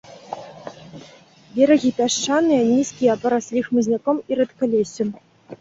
Берагі пясчаныя, нізкія, параслі хмызняком і рэдкалессем.